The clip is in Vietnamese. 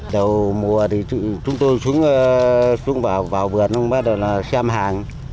đầu mùa thì chúng tôi xuống vào vườn bắt đầu là xem hàng